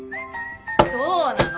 どうなの？